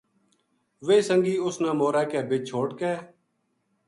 ویہ سنگی اس نا مورا کے بِچ چھوڈ کے